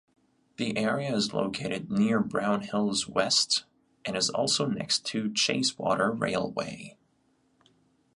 The area is located near Brownhills West and is also next to Chasewater Railway.